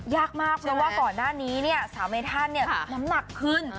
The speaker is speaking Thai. ยากมากเพราะว่าก่อนหน้านี้เนี่ยสาวเมธันน้ำหนักขึ้น